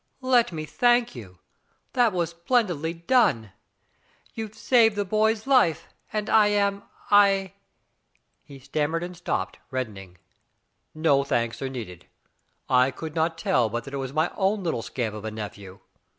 "Let me thank you. That ■ was splendidly done. You saved the boy's life, and I am — I *' he stammered and stopped, reddening. "No thanks are needed. I could not tell but that it was my own little scamp of a nephew.